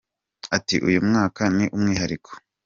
Ati “ Uyu mwaka ni umwihariko.